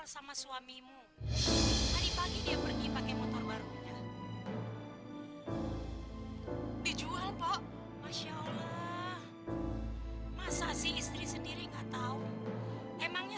sampai jumpa di video selanjutnya